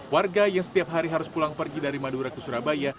warga yang setiap hari harus pulang pergi dari madura ke surabaya